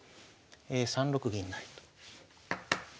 ３六銀成と。